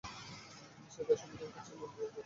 সে তার সম্প্রদায়ের কাছে ঈমান গোপন রাখত।